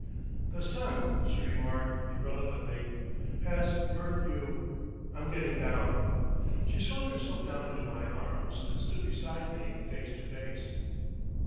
"The sun," she remarked irrelevantly, "has burnt you.... I'm getting down." She swung herself down into my arms, and stood beside me face to face.